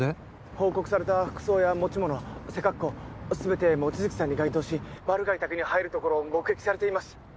報告された服装や持ち物背格好全て望月さんに該当し☎マルガイ宅に入るところを目撃されています